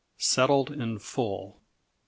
Settled In Full.